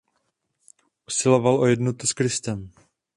Usiloval o jednotu s Kristem.